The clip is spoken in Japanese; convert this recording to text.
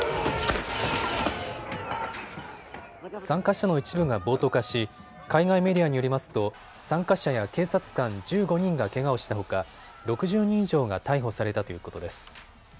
参加者の一部が暴徒化し、海外メディアによりますと参加者や警察官１５人がけがをしたほか６０人以上が逮捕されたということです。